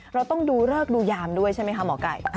เราต้องดูเลิกดูยามด้วยใช่ไหมคะหมอไก่